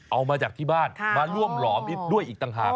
เอามาจากที่บ้านมาร่วมหลอมอีกด้วยอีกต่างหาก